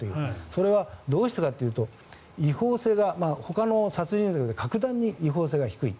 それはどうしてかというとほかの殺人罪より格段に違法性が低い。